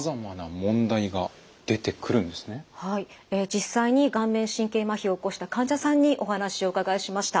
実際に顔面神経まひを起こした患者さんにお話をお伺いしました。